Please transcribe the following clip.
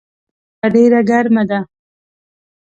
اوښکه ډیره ګرمه ده